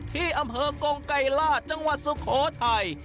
ที่อำเภอกงไกรลาศจังหวัดสุโขทัย